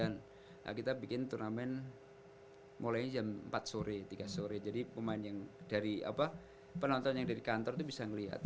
nah kita bikin turnamen mulainya jam empat sore tiga sore jadi pemain yang dari penonton yang dari kantor itu bisa melihat